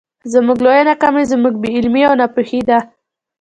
زموږ لويه ناکامي زموږ بې علمي او ناپوهي ده.